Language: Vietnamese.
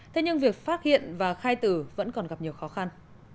thế nhưng việc phát hiện và khai tử vẫn còn gặp nhiều khó khăn